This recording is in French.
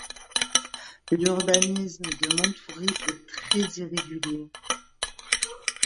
L'urbanisme de Matoury est très irrégulier.